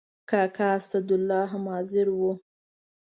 کاکا اسدالله هم حاضر و.